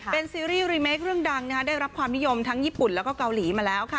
เป็นซีรีส์รีเมคเรื่องดังได้รับความนิยมทั้งญี่ปุ่นแล้วก็เกาหลีมาแล้วค่ะ